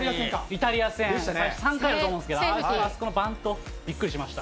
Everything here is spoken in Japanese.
イタリア戦、３回だと思うんですけど、あそこのバント、びっくりしました。